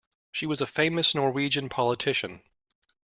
She was a famous Norwegian politician.